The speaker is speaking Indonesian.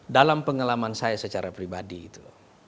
dalam pengalaman saya secara pribadi itu